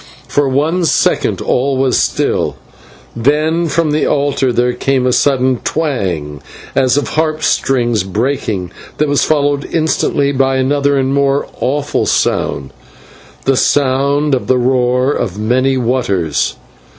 For one second all was still; then from the altar there came a sudden twang as of harp strings breaking, that was followed instantly by another and more awful sound, the sound of the roar of many waters.